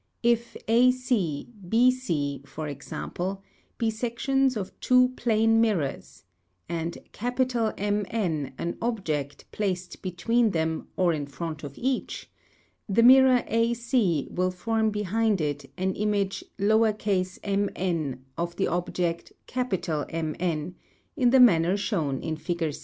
If AC, BC, for example, be sections of two plane mirrors, arid MN an object placed between them or in front of Fig. 197. eacn> the mirror AC will form behind it an image m n of the object M N, in the manner shown in fig.